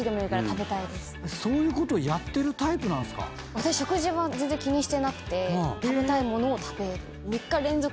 私食事は全然気にしてなくて食べたい物を食べる。